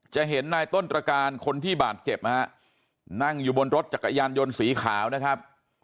จะเห็นนายต้นตรการคนที่บาดเจ็บนะฮะนั่งอยู่บนรถจักรยานยนต์สีขาวนะครับ